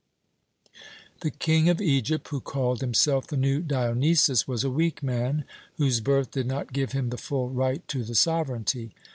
"The King of Egypt, who called himself 'the new Dionysus,' was a weak man, whose birth did not give him the full right to the sovereignty.